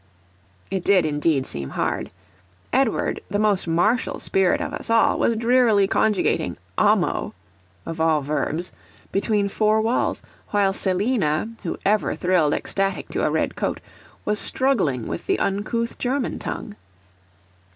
It did, indeed, seem hard. Edward, the most martial spirit of us all, was drearily conjugating AMO (of all verbs) between four walls; while Selina, who ever thrilled ecstatic to a red coat, was struggling with the uncouth German tongue.